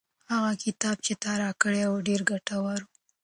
هغه کتاب چې تا راکړی و ډېر ګټور و.